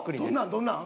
どんなん？